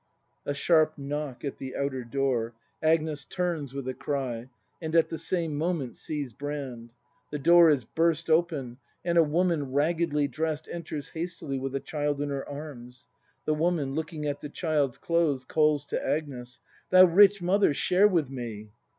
A sharp knock at the outer door; Agnes turns with a cry, and at the same moment sees Brand. The door is burst open, and a Woman, raggedly dressed, enters hastily, with a child in her arms. The Woman. [Looking at the child's clothes, calls to Agnes.] Thou rich mother, share with me!